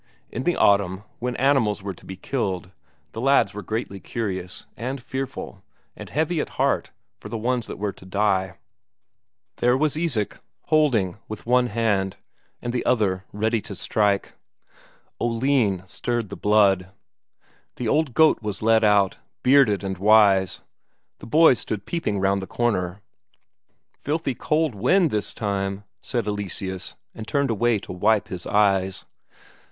In the autumn, when animals were to be killed, the lads were greatly curious, and fearful, and heavy at heart for the ones that were to die. There was Isak holding with one hand, and the other ready to strike; Oline stirred the blood. The old goat was led out, bearded and wise; the boys stood peeping round the corner. "Filthy cold wind this time," said Eleseus, and turned away to wipe his eyes.